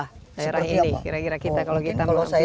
daerah ini kira kira kita kalau kita melakukan